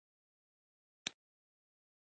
د تفریح ځایونه د خلکو د خوښۍ مرکزونه دي.